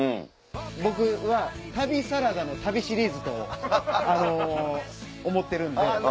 僕は『旅サラダ』の旅シリーズと思ってるんで。